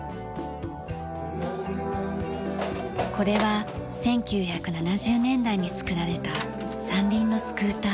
これは１９７０年代に作られた３輪のスクーター。